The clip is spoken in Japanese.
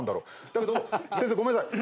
だけど先生ごめんなさい。